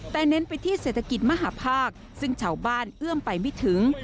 แต่เน้นไปที่เศรษฐกิจมหาภาคซึ่งชาวบ้านเอื้อมไปไม่ถึง